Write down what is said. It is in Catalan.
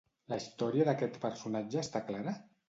La història d'aquest personatge està clara?